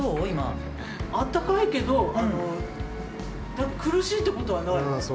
◆あったかいけど、苦しいってことはないわ。